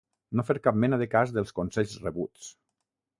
No fer cap mena de cas dels consells rebuts.